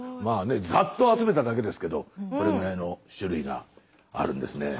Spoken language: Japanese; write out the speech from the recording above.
ざっと集めただけですけどこれぐらいの種類があるんですね。